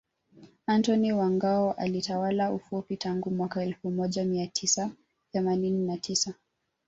Antony wa Ngao alitawala ufipa tangu mwaka elfu moja mia tisa themanini na tisa